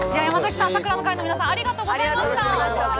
東八拳さくら会の皆さんもありがとうございました。